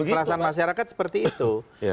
perasaan masyarakat seperti itu